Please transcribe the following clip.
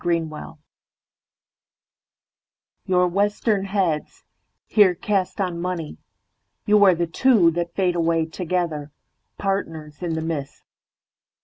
A Coin YOUR western heads here cast on money, You are the two that fade away together, Partners in the mist.